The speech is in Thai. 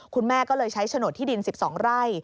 คุณแม่ก็เลยใช้โฉนดที่ดิน๑๒ไร่